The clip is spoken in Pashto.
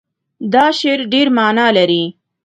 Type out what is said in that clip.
دا شعر ډېر معنا لري.